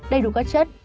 đầy đủ các chất